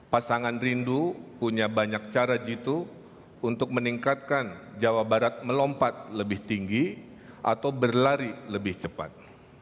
pasangan rindu punya banyak cara jitu untuk meningkatkan jawa barat melompat lebih tinggi atau berlari lebih cepat